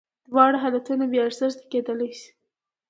دواړه حالتونه بې ارزښته کېدل ښیې.